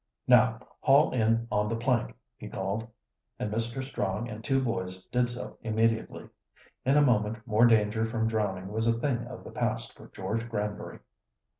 "Now haul in on the plank," he called, and Mr. Strong and two boys did so immediately. In a moment more danger from drowning was a thing of the past for George Granbury.